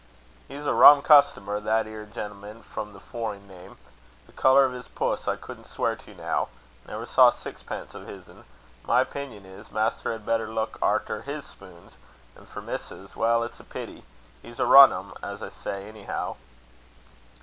"He's a rum customer, that ere gemman with the foring name. The colour of his puss I couldn't swear to now. Never saw sixpence o' his'n. My opinion is, master had better look arter his spoons. And for missus well, it's a pity! He's a rum un, as I say, anyhow."